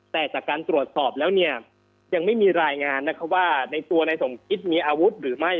แต่จากการตรวจสอบแล้วเนี่ยยังไม่มีรายงานนะคะว่าในตัวนายสมคิดมีอาวุธหรือไม่